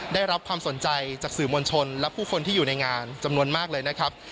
ได้รับความสนใจจากสื่อมวลชนและผู้คนที่อยู่ในงานจำนวนมากเลยนะครับ